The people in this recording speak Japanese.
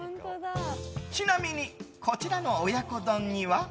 ちなみにこちらの親子丼には。